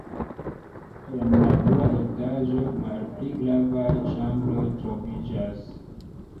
En la dua etaĝo malpli gravaj ĉambroj troviĝas.